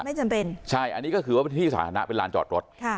ไม่จำเป็นใช่อันนี้ก็คือว่าที่สาธารณะเป็นลานจอดรถค่ะ